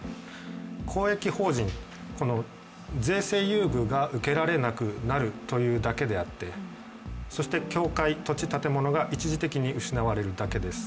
公益法人、税制優遇が受けられなくなるというだけであって、そして教会、土地、建物が一時的に失われるだけです。